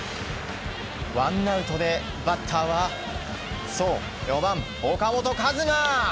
ワンアウトでバッターはそう、４番、岡本和真！